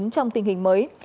trong tình hình mới